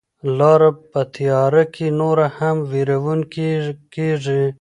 لاره په تیاره کې نوره هم وېروونکې کیږي.